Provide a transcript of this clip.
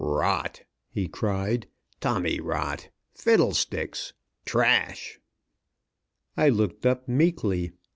"Rot!" he cried. "Tommy rot! Fiddlesticks! Trash!" I looked up meekly.